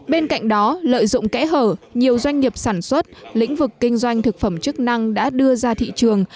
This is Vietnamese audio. bên cạnh đó lợi dụng kẽ hở nhiều doanh nghiệp sản xuất lĩnh vực kinh doanh thực phẩm chức năng đã đưa ra thị trường